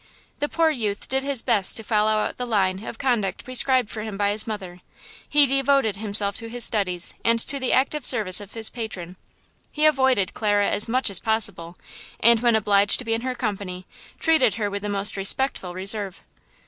The poor youth did his best to follow out the line of conduct prescribed for him by his mother. He devoted himself to his studies and to the active service of his patron. He avoided Clara as much as possible, and when obliged to be in her company, he treated her with the most respectful reserve.